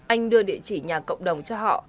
anh đưa địa chỉ nhà cộng đồng cho họ